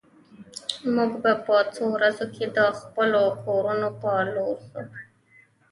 موږ به په څو ورځو کې د خپلو کورونو په لور ځو